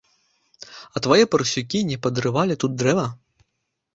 А твае парсюкі не падрывалі тут дрэва?